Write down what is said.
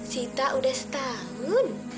sita udah setahun